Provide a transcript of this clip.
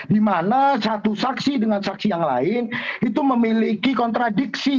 dimana satu saksi dengan saksi yang lain itu memiliki kontradiksi